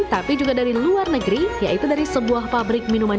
tapi juga dari luar negeri yaitu dari sebuah pabrik minuman